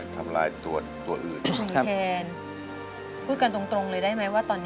ทำลายตัวอื่น